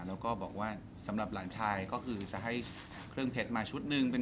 แล้วก็บอกว่าสำหรับหลานชายก็คือจะให้เครื่องเพชรมาชุดหนึ่ง